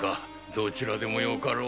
どちらでもよかろう。